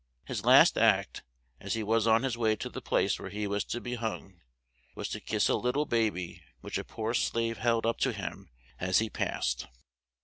His last act, as he was on his way to the place where he was to be hung, was to kiss a lit tle ba by which a poor slave held up to him as he passed.